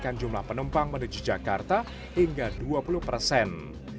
kenaikan jumlah penumpang menuju jakarta hingga dua puluh persen